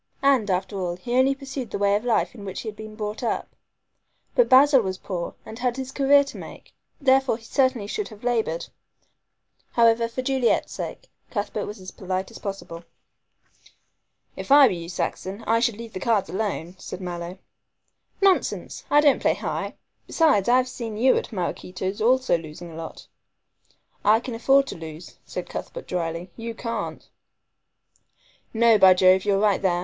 And, after all, he only pursued the way of life in which he had been brought up. But Basil was poor and had his career to make, therefore he certainly should have labored. However, for Juliet's sake, Cuthbert was as polite as possible. "If I were you, Saxon, I should leave cards alone," said Mallow. "Nonsense! I don't play high. Besides, I have seen you at Maraquito's also losing a lot." "I can afford to lose," said Cuthbert dryly, "you can't." "No, by Jove, you're right there.